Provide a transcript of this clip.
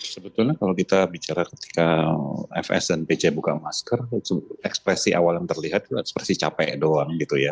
sebetulnya kalau kita bicara ketika fs dan pc buka masker ekspresi awal yang terlihat seperti capek doang gitu ya